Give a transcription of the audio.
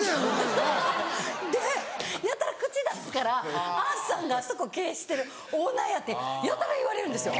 そうやたら口出すから「アンさんがあそこ経営してるオーナーや」ってやたら言われるんですよ。